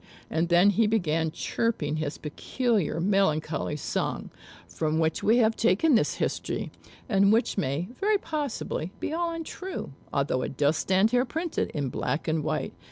And then he began chirping his peculiar melancholy song, from which we have taken this history; and which may, very possibly, be all untrue, although it does stand here printed in black and white.